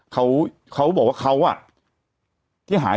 แต่หนูจะเอากับน้องเขามาแต่ว่า